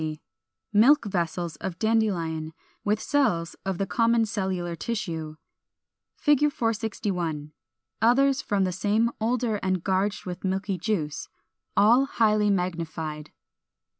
460. Milk Vessels of Dandelion, with cells of the common cellular tissue. 461. Others from the same older and gorged with milky juice. All highly magnified.